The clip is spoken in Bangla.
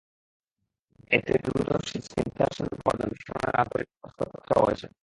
এতে দ্রুত স্নিগ্ধার সন্ধান পাওয়ার জন্য প্রশাসনের আন্তরিক হস্তক্ষেপ চাওয়া হয়েছে।